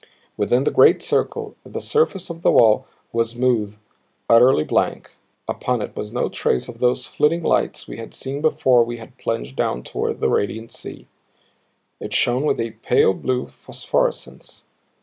Within the great circle the surface of the wall was smooth, utterly blank; upon it was no trace of those flitting lights we had seen before we had plunged down toward the radiant sea. It shone with a pale blue phosphorescence.